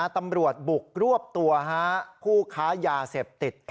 ตำรวจบุกรวบตัวผู้ค้ายาเสพติด